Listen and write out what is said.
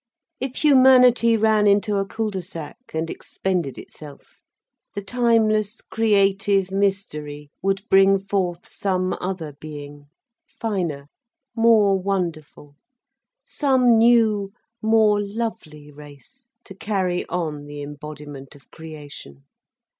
If humanity ran into a cul de sac and expended itself, the timeless creative mystery would bring forth some other being, finer, more wonderful, some new, more lovely race, to carry on the embodiment of creation.